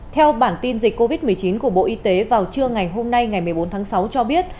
theo bản tin dịch covid một mươi chín của bộ y tế vào trưa ngày hôm nay ngày một mươi bốn tháng sáu cho biết